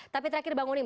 tapi terakhir bang unim